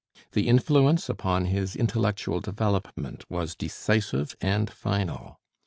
The influence upon his intellectual development was decisive and final.